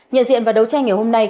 nhận diện và đấu tranh ngày hôm nay